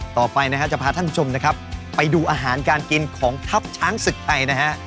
ต่อไปนะฮะจะพาท่านผู้ชมนะครับไปดูอาหารการกินของทัพช้างศึกไทยนะฮะ